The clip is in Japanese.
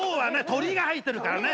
鶏が入ってるからね。